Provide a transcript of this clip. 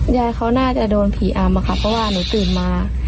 ยายเขาน่าจะโดนผีอำค่ะเพราะว่าหนูตื่นมา